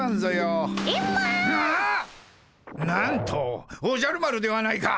なんとおじゃる丸ではないか！